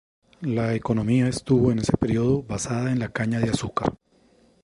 La economía estuvo en ese periodo basada en la caña de azúcar.